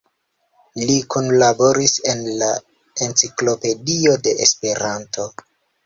Li kunlaboris en la Enciklopedio de Esperanto.